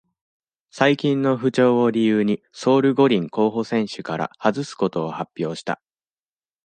最近の不調を理由に、ソウル五輪候補選手から外すことを発表した。